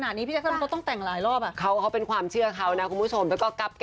มาในคอนเซ็ปของการแต่งงานกับคุณห้านีสารคุณครอดครับผม